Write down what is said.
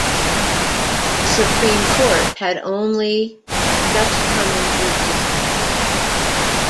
The Supreme Court had only just come into existence.